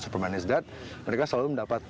superman is that mereka selalu mendapat